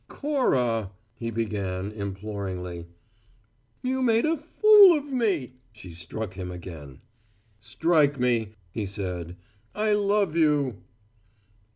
"Cora " he began, imploringly. "You made a fool of me!" She struck him again. "Strike me," he said. "I love you!"